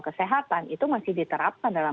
kesehatan itu masih diterapkan dalam